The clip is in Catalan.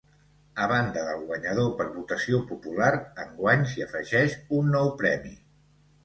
A banda del guanyador per votació popular, enguany s’hi afegeix un nou premi.